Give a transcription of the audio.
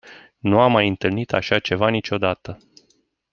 Nu am mai întâlnit așa ceva niciodată.